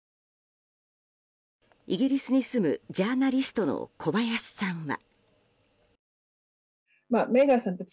イギリスに住むジャーナリストの小林さんは。